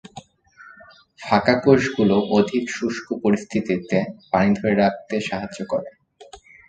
ফাঁকা কোষগুলো অধিক শুষ্ক পরিস্থিতিতে পানি ধরে রাখতে সাহায্য করে।